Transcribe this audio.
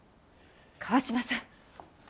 川島さん。